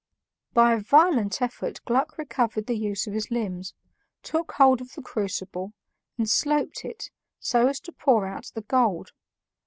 By a violent effort Gluck recovered the use of his limbs, took hold of the crucible, and sloped it, so as to pour out the gold.